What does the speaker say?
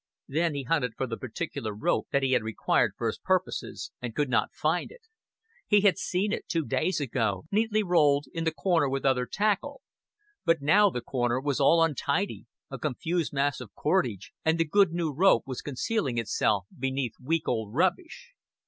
Then he hunted for the particular rope that he required for his purposes, and could not find it. He had seen it two days ago, neatly rolled, in the corner with other tackle; but now the corner was all untidy, a confused mass of cordage, and the good new strong rope was concealing itself beneath weak old rubbish.